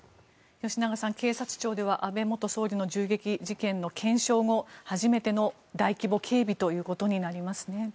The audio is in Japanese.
吉永さん、警察庁では安倍元総理の銃撃事件の検証後初めての大規模警備となりますね。